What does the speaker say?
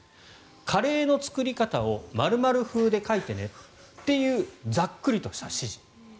カレーの作り方を○○風で書いてねというざっくりとした指示。